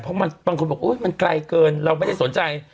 เพราะบางคนบอกมันไกลเกินเราไม่ได้สนใจ